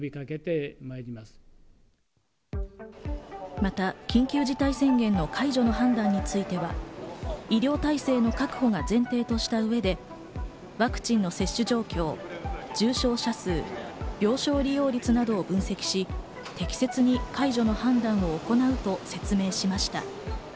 また緊急事態宣言の解除の判断については、医療体制の確保が前提とした上で、ワクチンの接種状況、重症者数、病床使用率などを分析し、適切に解除の判断を行うと説明しました。